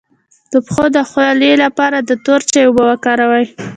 د پښو د خولې لپاره د تور چای اوبه وکاروئ